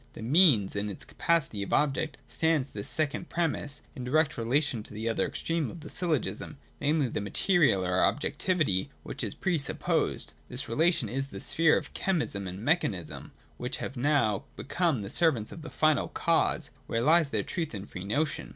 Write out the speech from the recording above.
The Means in its capacity of object stands, in this second premiss, in direct relation to the other extreme of the syllogism, namely, the material or ob jectivity which is pre supposed. This relation is the sphere of chemism and mechanism, which have now become the servants of the Final Cause, where lies their truth and free notion.